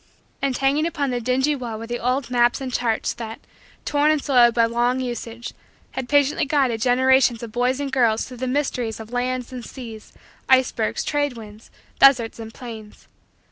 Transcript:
And hanging upon the dingy wall were the old maps and charts that, torn and soiled by long usage, had patiently guided generations of boys and girls through the mysteries of lands and seas, icebergs, trade winds, deserts, and plains.